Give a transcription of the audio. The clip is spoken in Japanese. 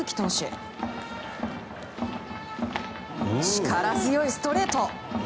力強いストレート。